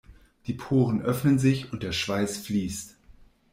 Die Poren öffnen sich und der Schweiß fließt.